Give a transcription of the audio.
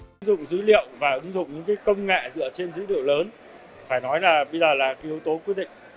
ứng dụng dữ liệu và ứng dụng những công nghệ dựa trên dữ liệu lớn phải nói là bây giờ là yếu tố quyết định